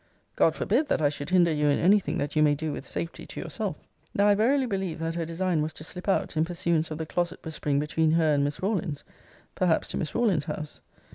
God forbid, that I should hinder you in any thing that you may do with safety to yourself! Now I verily believe that her design was to slip out, in pursuance of the closet whispering between her and Miss Rawlins; perhaps to Miss Rawlins's house.